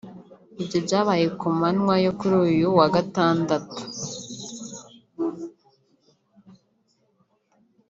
Ibyo byabaye ku manywa yo kuri uyu wa gatandatu